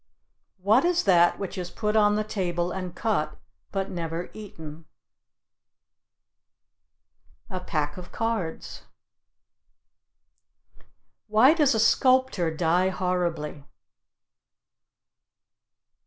What is that which is put on the table and cut, but never eaten? A pack of cards. Why does a sculptor die horribly?